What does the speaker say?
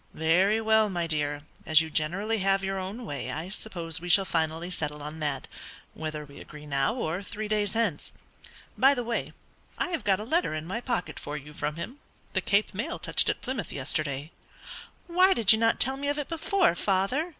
"Very well, my dear, as you generally have your own way, I suppose we shall finally settle on that, whether we agree now or three days hence. By the way, I have got a letter in my pocket for you from him. The Cape mail touched at Plymouth yesterday." "Why did you not tell me of it before, father?"